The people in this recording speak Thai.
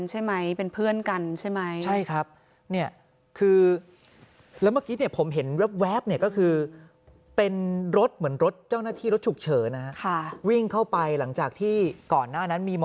ที่บอกว่าเขาสนิทกันใช่ไหมเป็นเพื่อนกันใช่ไหม